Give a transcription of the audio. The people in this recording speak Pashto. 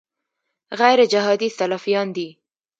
غیرجهادي سلفیان دي.